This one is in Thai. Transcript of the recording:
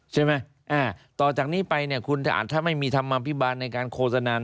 ใช่ไหมต่อจากนี้ไปเนี่ยคุณถ้าไม่มีธรรมภิบาลในการโฆษณา